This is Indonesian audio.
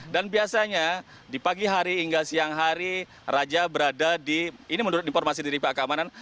dan biasanya di pagi hari hingga siang hari raja berada di ini menurut informasi dari pak kamanan